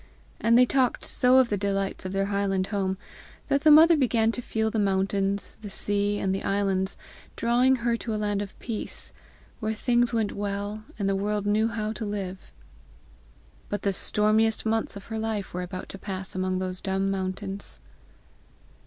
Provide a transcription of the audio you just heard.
And they talked so of the delights of their highland home, that the mother began to feel the mountains, the sea, and the islands, drawing her to a land of peace, where things went well, and the world knew how to live. But the stormiest months of her life were about to pass among those dumb mountains!